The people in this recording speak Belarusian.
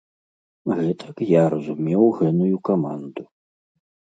Гэтак я разумеў гэную каманду.